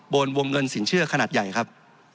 วงเงินสินเชื่อขนาดใหญ่ครับ